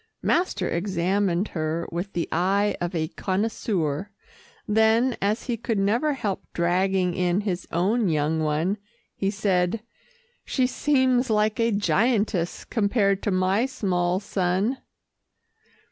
Master examined her with the eye of a connoisseur, then as he could never help dragging in his own young one, he said, "She seems like a giantess compared to my small son."